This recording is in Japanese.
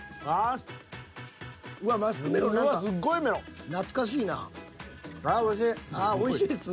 ああおいしい！